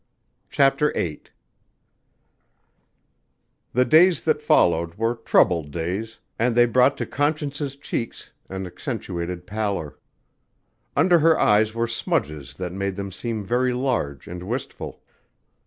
CHAPTER VIII The days that followed were troubled days and they brought to Conscience's cheeks an accentuated pallor. Under her eyes were smudges that made them seem very large and wistful.